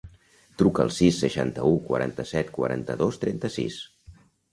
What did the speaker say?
Truca al sis, seixanta-u, quaranta-set, quaranta-dos, trenta-sis.